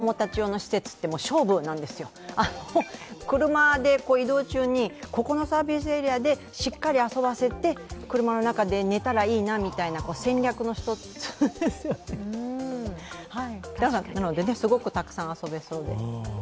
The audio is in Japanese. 大事です、サービスエリアでの子供たち用の施設って勝負なんですよ、車で移動中にここのサービスエリアでしっかり遊ばせて車の中で寝たらいいなみたいな戦略の一つすごくたくさん遊べそうで。